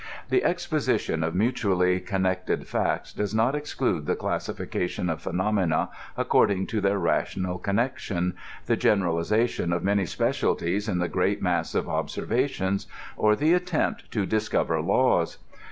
The exposition of mutually connected facts does not exclude the classification of phenomena according to their rational con nection, the generalization of many specialities in the great mass of observations, or the attempt to discover laws.